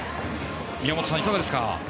宮本さん、いかがですか。